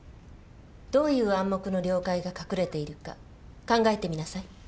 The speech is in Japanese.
どういう「暗黙の了解」が隠れているか考えてみなさい。